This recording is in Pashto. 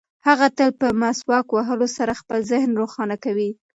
هغه تل په مسواک وهلو سره خپل ذهن روښانه کوي.